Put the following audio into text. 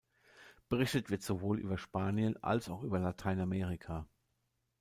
Berichtet wird sowohl über Spanien als auch über Lateinamerika.